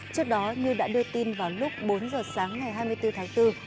trước đó như đã đưa tin vào lúc bốn giờ sáng ngày hai mươi bốn tháng bốn